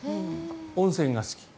温泉が好き。